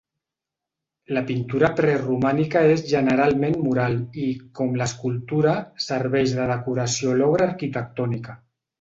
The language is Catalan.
La pintura preromànica és generalment mural i, com l'escultura, serveix de decoració a l'obra arquitectònica.